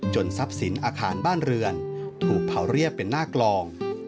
ทรัพย์สินอาคารบ้านเรือนถูกเผาเรียบเป็นหน้ากลอง